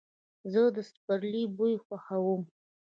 زه د سپرلي بوی خوښوم.